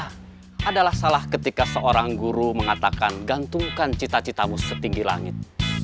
adalah salah ketika seorang guru mengatakan gantungkan cita citamu setinggi langit